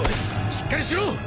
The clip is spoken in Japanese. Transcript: しっかりしろ！